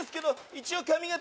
一応髪形